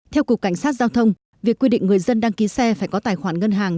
theo cục cảnh sát giao thông việc quy định người dân đăng ký xe phải có tài khoản ngân hàng